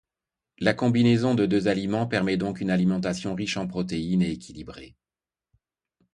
La combinaison des deux aliments permet donc une alimentation riche en protéines et équilibrée.